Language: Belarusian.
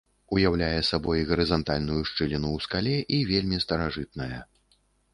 Уяўляе сабой гарызантальную шчыліну ў скале і вельмі старажытная.